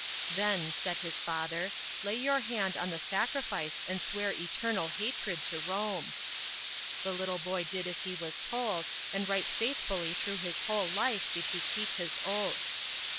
" Then/' said his father, " lay your hand on the sacrifice and swear eternal hatred to Rome." The little boy did as he was told, and right faithfully through his whole life did he keep his oath.